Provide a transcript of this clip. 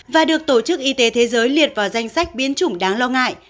và được tổ chức y tế thế giới liệt vào danh sách biến chủng đáng lo ngại